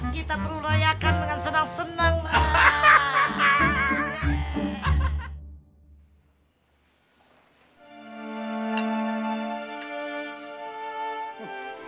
kita perlu rayakan dengan senang senang banget